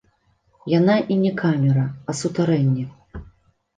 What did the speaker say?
Яна і не камера, а сутарэнне.